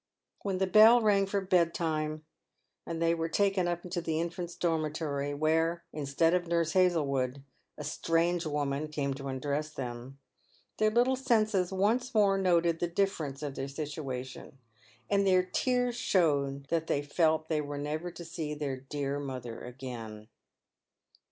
When the bell rang for bedtime, and they were taken up into the infants' dormitory, where, instead of Nurse Hazlewood, a strange woman came to undress them, their little senses once more noted the difference of their situation, and their tears showed that they felt they were never to see " dear mother" again.